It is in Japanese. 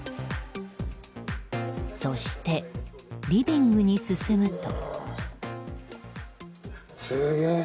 そして、リビングに進むと。